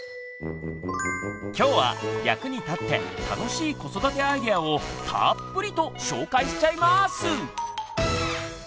今日は役に立って楽しい子育てアイデアをたっぷりと紹介しちゃいます！